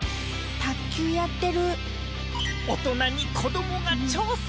卓球やってる。